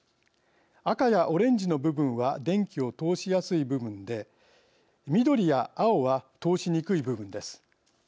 赤やオレンジの部分は電気を通しやすい部分で緑や青は通しにくい部分です。